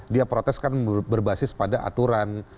dia protes kan berbasis pada aturan